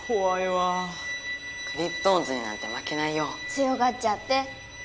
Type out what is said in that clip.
強がっちゃって。